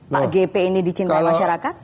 pak gp ini dicintai masyarakat